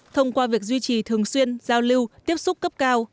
thông qua việc duy trì thường xuyên giao lưu tiếp xúc cấp cao